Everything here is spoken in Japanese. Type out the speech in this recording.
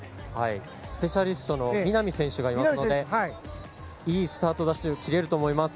スペシャリストの南選手がいますのでいいスタートダッシュを切れると思います。